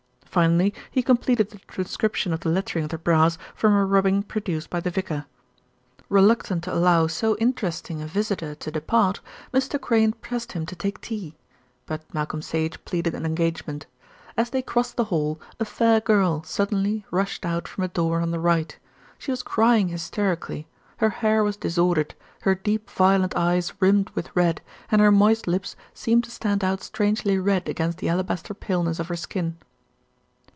Finally he completed the transcription of the lettering of the brass from a rubbing produced by the vicar. Reluctant to allow so interesting a visitor to depart, Mr. Crayne pressed him to take tea; but Malcolm Sage pleaded an engagement. As they crossed the hall, a fair girl suddenly rushed out from a door on the right. She was crying hysterically. Her hair was disordered, her deep violet eyes rimmed with red, and her moist lips seemed to stand out strangely red against the alabaster paleness of her skin.